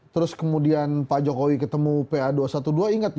terus kemudian pak jokowi ketemu pa dua ratus dua belas ingat